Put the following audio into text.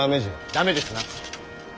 駄目ですな。